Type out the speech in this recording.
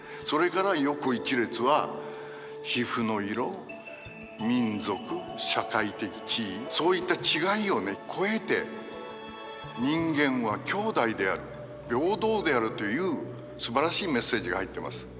それから横一列は皮膚の色民族社会的地位そういった違いをね超えて人間は兄弟である平等であるというすばらしいメッセージが入ってます。